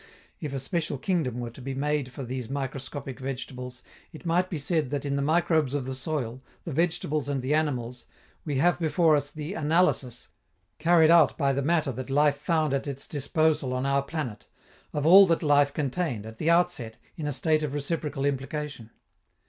If a special kingdom were to be made for these microscopic vegetables, it might be said that in the microbes of the soil, the vegetables and the animals, we have before us the analysis, carried out by the matter that life found at its disposal on our planet, of all that life contained, at the outset, in a state of reciprocal implication.